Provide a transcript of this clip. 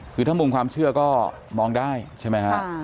คือถ้ามุมความเชื่อก็มองได้ใช่ไหมฮะ